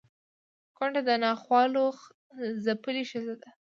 کونډه د ناخوالو ځپلې ښځه ده